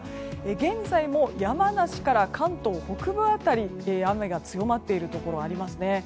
現在も山梨から関東北部辺りで雨が強まっているところがありますね。